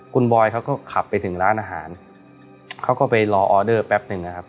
คุณบอยเขาก็ขับไปถึงร้านอาหารเขาก็ไปรอออเดอร์แป๊บหนึ่งนะครับ